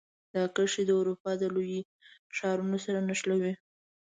دا کرښې د اروپا لوی ښارونو سره نښلوي.